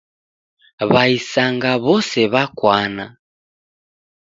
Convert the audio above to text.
W'aisanga w'ose w'akwana.